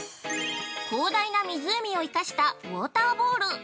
◆広大な湖を生かしたウォーターボール。